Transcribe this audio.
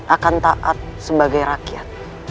akan taat sebagai rakyat